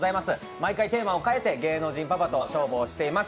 毎回テーマを変えて芸能人パパと勝負をしております。